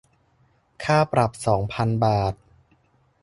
ค่าปรับสองพันบาท